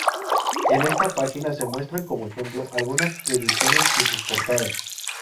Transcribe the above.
En esta página se muestran como ejemplo algunas ediciones y sus portadas.